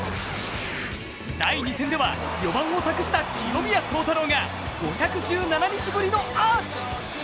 第２戦では、４番を託した清宮幸太郎が５１７日ぶりのアーチ！